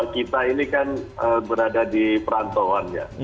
kita ini kan berada di perantauan ya